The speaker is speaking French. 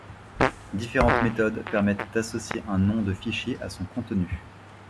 Différentes méthodes permettent d'associer un nom de fichier à son contenu.